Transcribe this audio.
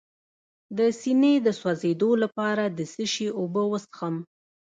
د سینې د سوځیدو لپاره د څه شي اوبه وڅښم؟